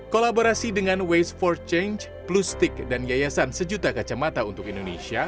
kolaborasi dengan waste for change plustic dan yayasan sejuta kacamata untuk indonesia